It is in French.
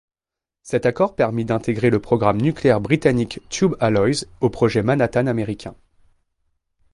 Cet accord permis d'intégrer le programme nucléaire britannique Tube Alloys au projet Manhattan américain.